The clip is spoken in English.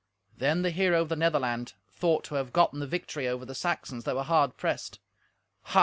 Then the hero of the Netherland thought to have gotten the victory over the Saxons that were hard pressed. Ha!